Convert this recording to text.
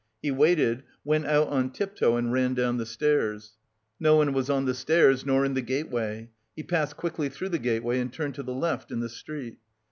He waited, went out on tiptoe and ran down the stairs. No one was on the stairs, nor in the gateway. He passed quickly through the gateway and turned to the left in the street.